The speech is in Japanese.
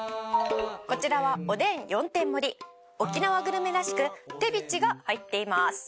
「こちらはおでん４点盛り」「沖縄グルメらしくてびちが入っています」